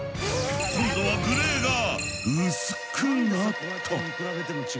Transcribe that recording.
今度はグレーが薄くなった！